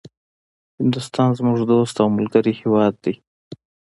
هندوستان زموږ دوست او ملګری هيواد ده